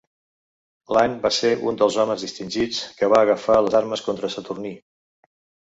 L'any va ser un dels homes distingits que va agafar les armes contra Saturní.